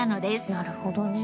なるほどね。